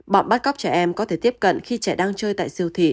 bọn bắt cóc trẻ em có thể tiếp cận khi trẻ đang chơi tại siêu thị